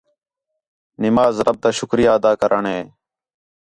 نماز رب تا شُکریہ ادا کرݨ ہِے